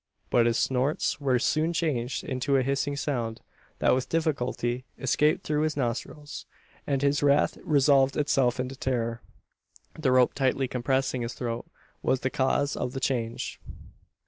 But his snorts were soon changed into a hissing sound, that with difficulty escaped through his nostrils; and his wrath resolved itself into terror. The rope tightly compressing his throat was the cause of the change.